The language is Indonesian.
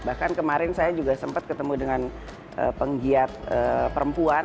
bahkan kemarin saya juga sempat ketemu dengan penggiat perempuan